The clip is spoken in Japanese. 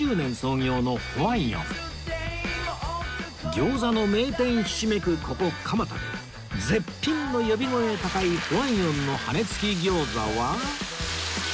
餃子の名店ひしめくここ蒲田で絶品の呼び声高い歓迎の羽根付き餃子は